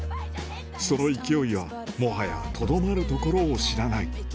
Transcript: その勢いはもはやとどまるところを知らない。